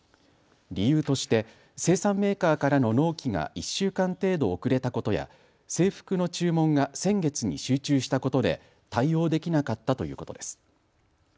理由として生産メーカーからの納期が１週間程度遅れたことや制服の注文が先月に集中したことで対応できなかったということです。